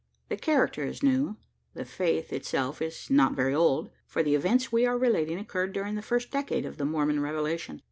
The character is new the faith itself is not very old for the events we are relating occurred during the first decade of the Mormon revelation.